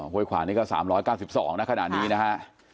ห้วยขวานี่ก็๓๙๒นะขนาดนี้นะฮะ